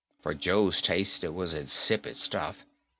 For Joe's taste it was insipid stuff.